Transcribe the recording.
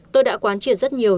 tôi đã quán triển rất nhiều